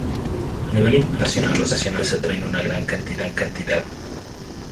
A nivel internacional los debates atraen una gran cantidad de atención.